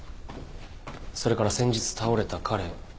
それから先日倒れた彼